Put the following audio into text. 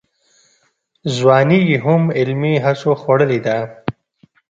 ځواني یې هم علمي هڅو خوړلې ده.